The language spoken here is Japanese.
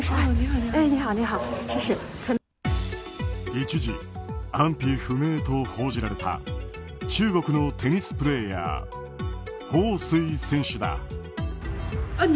一時、安否不明と報じられた中国のテニスプレーヤーホウ・スイ選手だ。